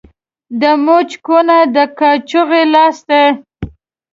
د مچ کونه ، د کاچوغي لاستى.